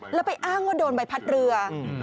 แล้วไปอ้างว่าโดนใบพัดเรือ